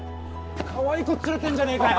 かわいい子連れてんじゃねえかよ。